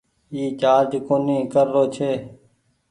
اي چآرج ڪونيٚ ڪر رو ڇي۔